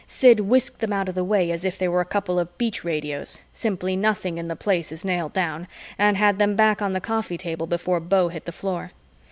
Sid whisked them out of the way as if they were a couple of beach radios simply nothing in the Place is nailed down and had them back on the coffee table before Beau hit the floor.